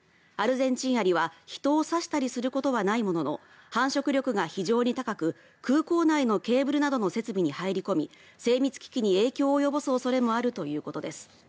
アルゼンチンアリは人を刺したりすることはないものの繁殖力が非常に高く空港内のケーブルなどの設備に入り込み精密機器に影響を及ぼす恐れもあるということです。